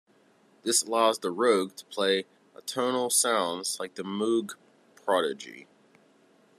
This allows the Rogue to play atonal sounds like the Moog Prodigy.